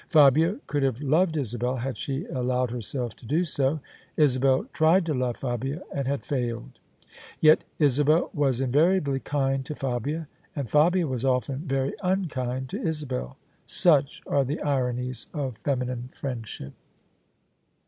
Fabia could have loved Isabel had she allowed herself to do so: Isabel tried to love Fabia and had failed. Yet Isabel was invariably kind to Fabia, and Fabia was often very unkind to Isabel. Such are the ironies of feminine friendship.